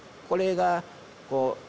これがこう。